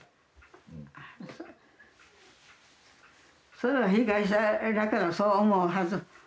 それは被害者だからそう思うはず。